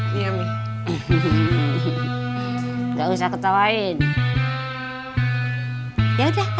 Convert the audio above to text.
bagian lebih rendah itu bagian depan